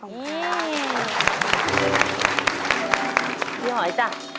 พี่หอยจ้ะ